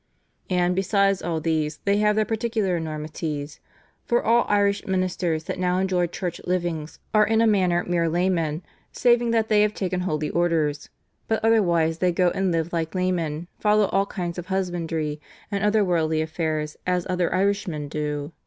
And, besides all these, they have their particular enormities; for all Irish ministers that now enjoy church livings are in a manner mere laymen, saving that they have taken holy orders, but otherwise they go and live like laymen, follow all kinds of husbandry, and other worldly affairs as other Irishmen do.